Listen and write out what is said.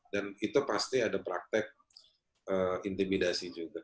dan itu pasti ada praktek intimidasi juga